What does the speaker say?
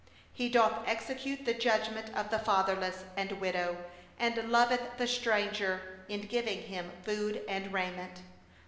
18He doth execute justice for the fatherless and widow, and loveth the stranger, in giving him food and raiment.